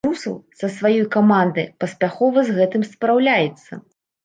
Трусаў са сваёй камандай паспяхова з гэтым спраўляецца.